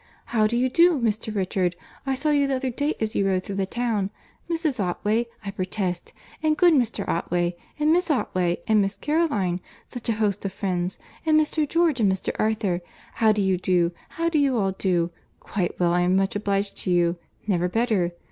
How do you do, Mr. Richard?—I saw you the other day as you rode through the town—Mrs. Otway, I protest!—and good Mr. Otway, and Miss Otway and Miss Caroline.—Such a host of friends!—and Mr. George and Mr. Arthur!—How do you do? How do you all do?—Quite well, I am much obliged to you. Never better.